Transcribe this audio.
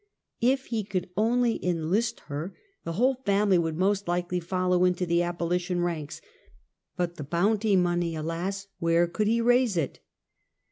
If he could only enlist her, the whole family would most likely follow into the abo lition ranks; but the bounty money, alas, where could he raise it?